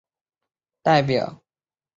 他也代表北爱尔兰各级国青队参赛。